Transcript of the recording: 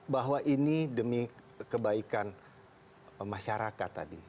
bahwa ini demi kebaikan masyarakat tadi